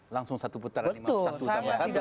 langsung satu putaran satu tambah satu